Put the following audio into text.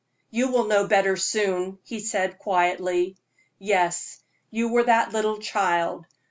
"You will know better soon," he replied, quietly. "Yes, you were that little child.